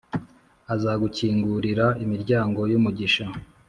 Azagukingurira imiryango yumugisha